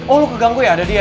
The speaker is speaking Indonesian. oh lo keganggu ya ada dia ya